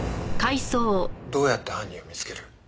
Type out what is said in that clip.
どうやって犯人を見つける？